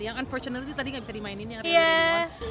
yang unfortunately tadi gak bisa dimainin yang really really want